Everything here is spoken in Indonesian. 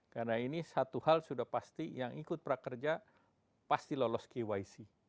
karena ini satu hal sudah pasti yang ikut prakerja pasti lolos kyc